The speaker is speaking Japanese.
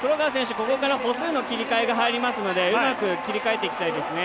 ここから歩数の切り替えが入りますのでうまく切り替えていきたいですね。